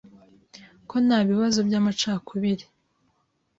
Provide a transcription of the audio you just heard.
ko nta bibazo by’amacakubiri,